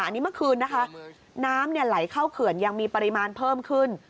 อันนี้เมื่อคืนนะคะน้ำไหลเข้าเขื่อนยังมีปริมาณเพิ่มขึ้น